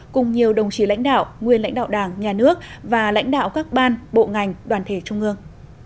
cùng nhiều đồng chí lãnh đạo nguyên lãnh đạo đảng nhà nước và lãnh đạo các ban bộ ngành đoàn thể trung ương